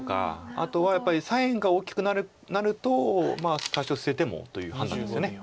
あとはやっぱり左辺が大きくなると多少捨ててもという判断ですよね。